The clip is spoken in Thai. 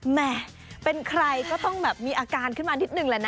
แหมเป็นใครก็ต้องแบบมีอาการขึ้นมานิดนึงแหละนะ